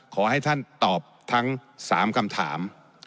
ขอให้ท่านตอบทั้ง๓คำถาม